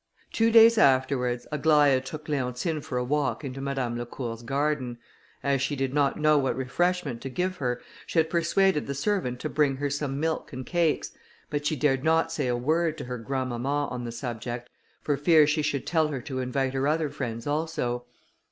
Two days afterwards, Aglaïa took Leontine for a walk into Madame Lacour's garden. As she did not know what refreshment to give her, she had persuaded the servant to bring her some milk and cakes, but she dared not say a word to her grandmamma on the subject, for fear she should tell her to invite her other friends also.